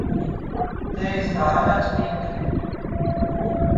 დე̄სა, ალა ჭყინტ ლი.